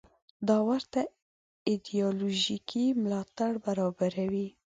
دا ورته ایدیالوژیکي ملاتړ برابروي.